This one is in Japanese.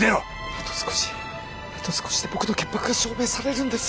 あと少しあと少しで僕の潔白が証明されるんです